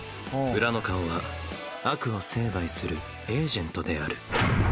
裏の顔は悪を成敗するエージェントである。